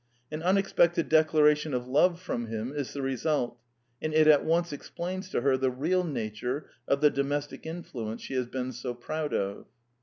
An unexpected declar ation of love from him is the result; and it at once explains to her the real nature of the do mestic influence she has been so proud of.